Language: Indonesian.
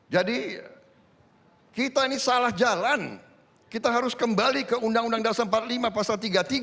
jadi kita ini salah jalan kita harus kembali ke undang undang dasar empat puluh lima pasal tiga puluh tiga